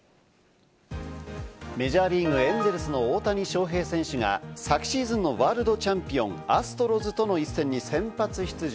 メジャーリーグ・エンゼルスの大谷翔平選手が昨シーズンのワールドチャンピオン、アストロズとの一戦に先発出場。